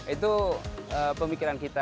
itu pemikiran kita